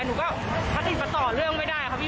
หนูก็ประติดประต่อเรื่องไม่ได้ค่ะพี่